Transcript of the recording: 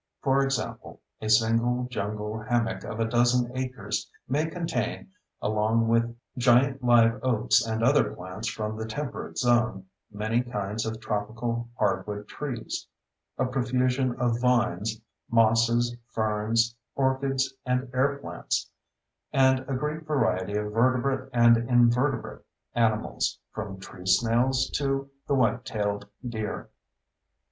For example, a single jungle hammock of a dozen acres may contain, along with giant live oaks and other plants from the Temperate Zone, many kinds of tropical hardwood trees; a profusion of vines, mosses, ferns, orchids, and air plants; and a great variety of vertebrate and invertebrate animals, from tree snails to the white tailed deer.